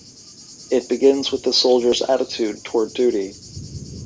It begins with the soldier's attitude toward duty.